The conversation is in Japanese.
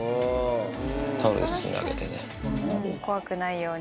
タオルで包んであげてね。